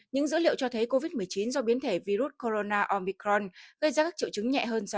những dữ liệu cho thấy covid một mươi chín do biến thể virus corona omicron gây ra các triệu chứng nhẹ hơn do